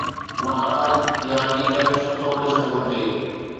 مهاراج يا ليڊر سٺو ڏسڻ گهرجي.